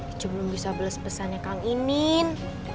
icu belum bisa bales pesannya kang inin